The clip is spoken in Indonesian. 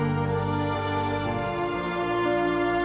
duanya allah udah bagaimana namanya